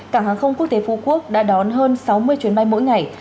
cảng hàng không quốc tế phú quốc đã đón hơn sáu mươi chuyến bay mỗi ngày